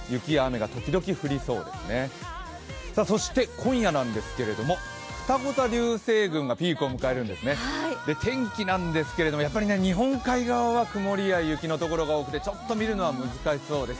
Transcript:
今夜なんですけども、ふたご座流星群がピークを迎えるんですね、天気なんですけど、日本海側は曇りや雪のところが多くて、ちょっと見るのは難しそうです。